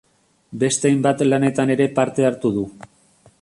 Beste hainbat lanetan ere parte hartu du.